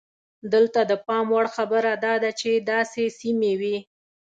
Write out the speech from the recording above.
دلته د پام وړ خبره دا ده چې داسې سیمې وې.